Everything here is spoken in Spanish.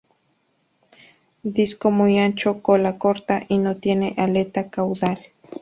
Disco muy ancho, cola corta y no tienen aleta caudal.